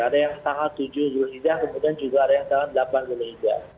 ada yang tanggal tujuh julhidah kemudian juga ada yang tanggal delapan juli hijab